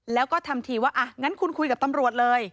แล้วก็ทำทีว่าอ่ะงั้นคุณคุยกับตำรวจเลย